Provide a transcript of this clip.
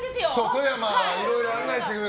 いろいろ案内してくれて。